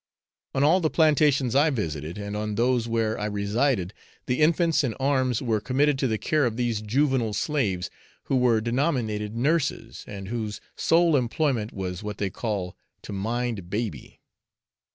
On all the plantations I visited, and on those where I resided, the infants in arms were committed to the care of these juvenile slaves, who were denominated nurses, and whose sole employment was what they call to 'mind baby.'